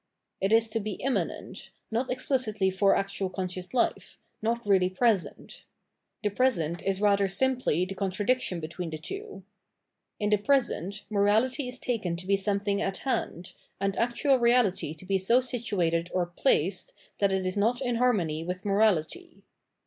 It is to be immanent, not explicitly for actual conscious Hfe, not really present ; the present is rather simply the contradiction between the two. In the present, morality is taken to be something at hand, and actual reality to be so situated or " placed " that it is not in harmony with morality.